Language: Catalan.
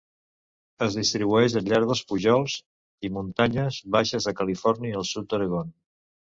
Es distribueix al llarg dels pujols i muntanyes baixes de Califòrnia i el sud d'Oregon.